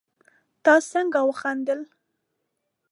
تا څنګه وخندل